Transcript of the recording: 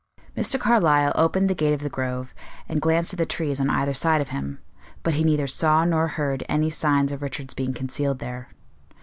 Mr. Carlyle opened the gate of the Grove, and glanced at the trees on either side of him, but he neither saw nor heard any signs of Richard's being concealed there.